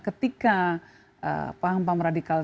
ketika paham paham radikal